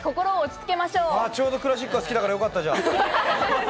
ちょうどクラシックが好きだからよかったじゃん。